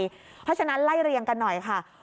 เพราะฉะนั้นไล่เรียงกันหน่อยค่ะ